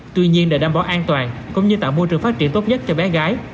tuy nhiên để đảm bảo an toàn cũng như tạo môi trường phát triển tốt nhất cho bé gái